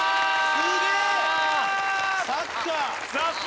すげえ！